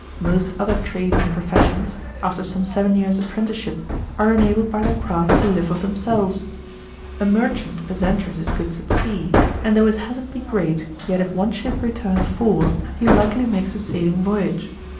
Most other trades and professions, after some seven years' apprenticeship, are enabled by their craft to live of themselves. A merchant adventures his goods at sea, and though his hazard be great, yet if one ship return of four, he likely makes a saving voyage.